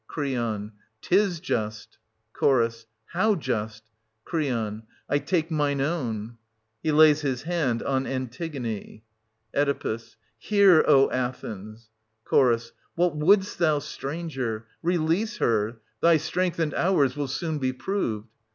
Cr. Tis just. Ch. How just? Cr. I take mine own. \^He lays his hand on A ntigone, Oe. Hear, O Athens ! str. Ch. What wouldst thou, stranger? Release her I Thy strength, and ours, will soon be proved.